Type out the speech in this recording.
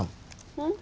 うん？